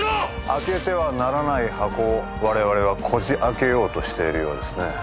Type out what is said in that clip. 開けてはならない箱を我々はこじ開けようとしているようですね